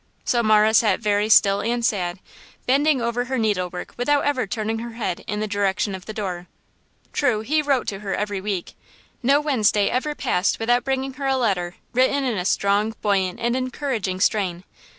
So Marah sat very still and sad, bending over her needlework without ever turning her head in the direction of the door. True, he wrote to her every week. No Wednesday ever passed without bringing her a letter written in a strong, buoyant and encouraging strain.